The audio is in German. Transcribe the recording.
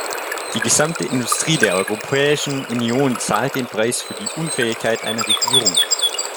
Die gesamte Industrie der Europäischen Union zahlt den Preis für die Unfähigkeit einer Regierung.